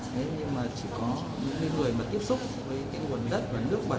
thế nhưng mà chỉ có những người mà tiếp xúc với cái nguồn đất và nước bẩ